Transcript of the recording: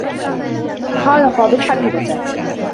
خان فاضل حبيبته.